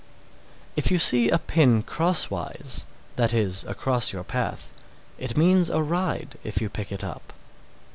If you see a pin crosswise, that is, across your path, it means a ride if you pick it up.